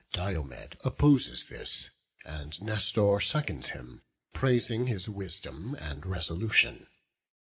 Diomed opposes this, and Nestor seconds him, praising his wisdom and resolution.